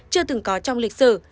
chưa từng có trong lịch sử